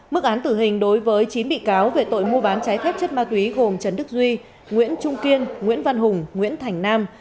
mức án tử hình đối với chín bị cáo về tội mua bán trái phép chất ma túy gồm trần đức duy nguyễn trung kiên nguyễn văn hùng nguyễn thành nam